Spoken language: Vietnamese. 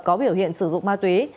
có biểu hiện sử dụng ma túy